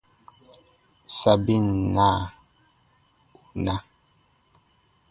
Sabin na, ù na.